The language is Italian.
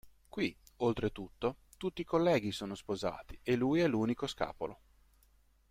Qui, oltretutto, tutti i colleghi sono sposati e lui è l'unico scapolo.